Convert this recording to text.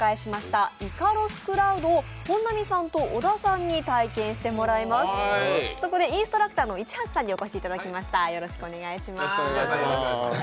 そこでインストラクターの市橋さんにお越しいただきました。